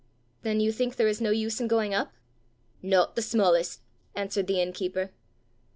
"Then you think there is no use in going up?" "Not the smallest," answered the inn keeper.